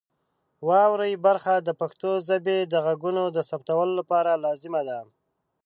واورئ برخه د پښتو ژبې د غږونو د ثبتولو لپاره لازمه ده.